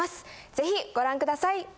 ぜひご覧ください。